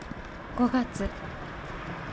５月。